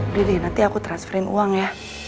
beli deh nanti aku transferin uang ya